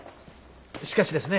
しかしですね